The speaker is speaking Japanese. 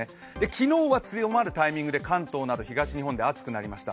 昨日は強まるタイミングで関東など東日本で暑くなりました。